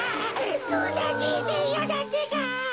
そんなじんせいいやだってか！